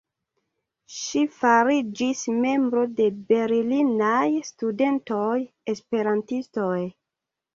Ŝi fariĝis membro de Berlinaj Studentoj-Esperantistoj.